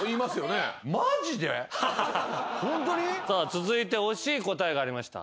続いて惜しい答えがありました。